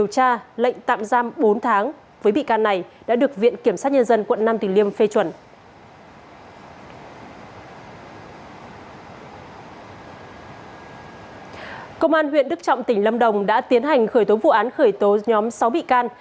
công an huyện đức trọng tỉnh lâm đồng đã tiến hành khởi tố vụ án khởi tố nhóm sáu bị can